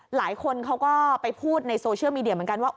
หลายคนเขาก็ไปพูดในโซเชียลมีเดียเหมือนกันว่า